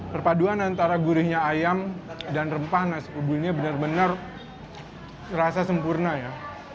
perpaduan antara gurihnya ayam dan rempah nasi kebulinya benar benar rasa sempurna ya